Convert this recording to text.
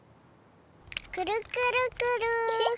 くるくるくる。